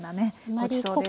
ごちそうです。